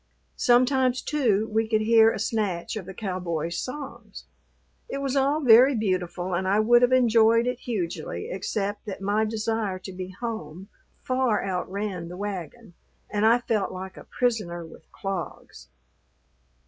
Sometimes, too, we could hear a snatch of the cowboys' songs. It was all very beautiful and I would have enjoyed it hugely except that my desire to be home far outran the wagon and I felt like a prisoner with clogs.